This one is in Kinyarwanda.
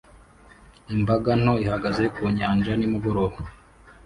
Imbaga nto ihagaze ku nyanja nimugoroba